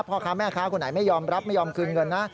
พ่อค้าแม่ค้าคนไหนไม่ยอมรับไม่ยอมคืนเงินนะ